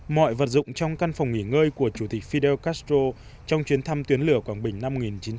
mọi vật dụng trong căn phòng nghỉ ngơi của chủ tịch fidel castro trong chuyến thăm tuyến lửa quảng bình năm một nghìn chín trăm bảy mươi